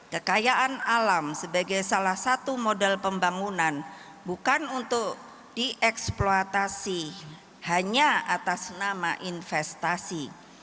kekayaan alam sebagai salah satu modal pembangunan bukan untuk dieksploitasi hanya atas nama investasi